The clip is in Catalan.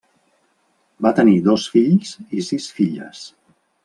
Va tenir dos fills i sis filles.